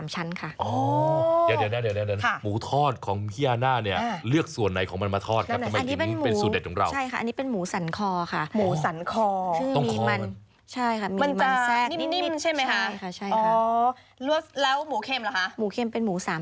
หมูทอดเบรกแตกกับหมูเข็ม